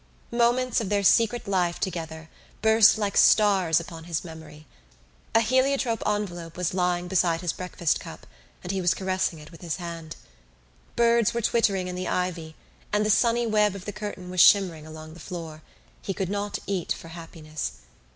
Moments of their secret life together burst like stars upon his memory. A heliotrope envelope was lying beside his breakfast cup and he was caressing it with his hand. Birds were twittering in the ivy and the sunny web of the curtain was shimmering along the floor: he could not eat for happiness.